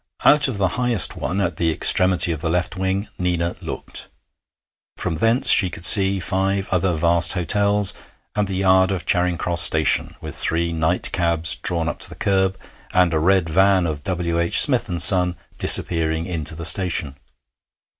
Out of the highest one, at the extremity of the left wing, Nina looked. From thence she could see five other vast hotels, and the yard of Charing Cross Station, with three night cabs drawn up to the kerb, and a red van of W.H. Smith and Son disappearing into the station.